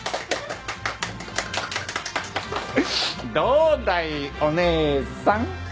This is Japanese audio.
どうだいお義姉さん！